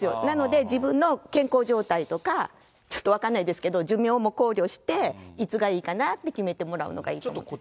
なので、自分の健康状態とかちょっと分かんないですけど、寿命も考慮して、いつがいいかなって決めてもらうのがいいと。